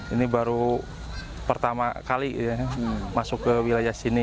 ini baru pertama kali masuk ke wilayah sini